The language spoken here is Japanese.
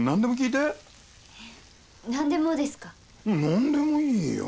何でもいいよ。